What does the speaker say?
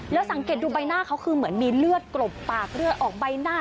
แล้วสังเกตดูใบหน้าเขาคือเหมือนมีเลือดกลบปากเลือดออกใบหน้า